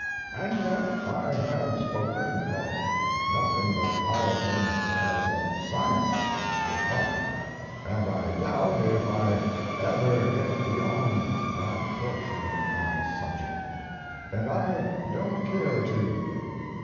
And yet I have spoken of nothing but piloting as a science so far, and I doubt if I ever get beyond that portion of my subject. And I don't care to.